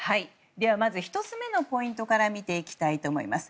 ではまず１つ目のポイントから見ていきたいと思います。